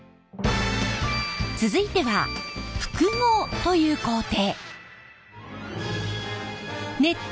続いては複合という工程。